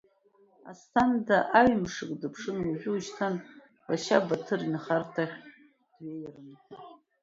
Асҭанда аҩы-мшык дыԥшын, уажәы-уашьҭан лашьа Баҭыр инхарҭахь дҩеирын ҳәа.